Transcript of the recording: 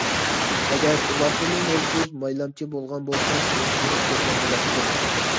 ئەگەر ئۇلاردىمۇ موزدۇز، مايلامچى بولغان بولسا سېلىشتۇرۇپ كۆرگەن بولاتتىم.